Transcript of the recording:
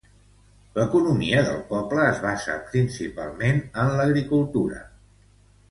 L'economia del poble es basa principalment en l'agricultura.